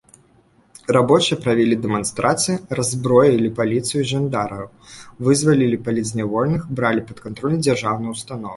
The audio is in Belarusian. Рабочыя правялі дэманстрацыі, раззброілі паліцыю і жандараў, вызвалілі палітзняволеных, бралі пад кантроль дзяржаўныя ўстановы.